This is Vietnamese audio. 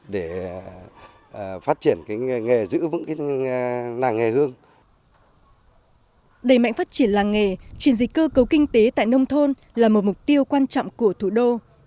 đẩy mạnh phát triển làng nghề chuyển dịch cơ cấu kinh tế tại nông thôn là một mục tiêu quan trọng của thủ đô